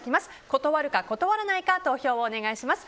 断るか、断らないか投票をお願いします。